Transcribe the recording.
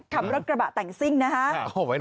คำรับกระบะแต่งซิ่งนะฮะ